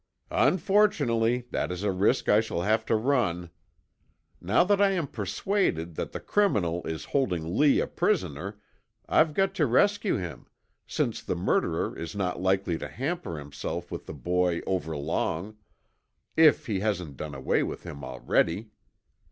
"Unfortunately that is a risk I shall have to run. Now that I am persuaded that the criminal is holding Lee a prisoner I've got to rescue him, since the murderer is not likely to hamper himself with the boy overlong if he hasn't done away with him already.